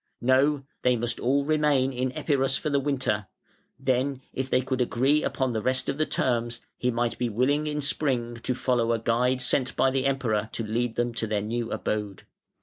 No! they must all remain in Epirus for the winter; then if they could agree upon the rest of the terms he might be willing in spring to follow a guide sent by the Emperor to lead them to their new abode.